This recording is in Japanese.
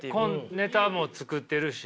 ネタも作ってるしね。